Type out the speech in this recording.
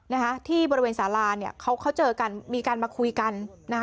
นะคะที่บริเวณสาราเนี่ยเขาเขาเจอกันมีการมาคุยกันนะคะ